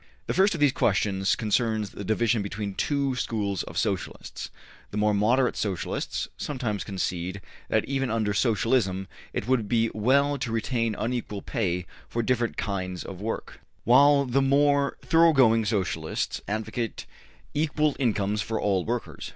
The first of these questions concerns the division between two schools of Socialists: the more moderate Socialists sometimes concede that even under Socialism it would be well to retain unequal pay for different kinds of work, while the more thoroughgoing Socialists advocate equal incomes for all workers.